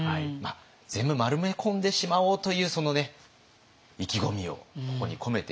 全部丸めこんでしまおうというその意気込みをここに込めてみました。